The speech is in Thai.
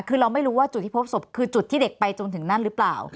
คือเราไม่รู้ว่าจุดที่พบศพคือจุดที่เด็กไปจนถึงนั่นหรือเปล่า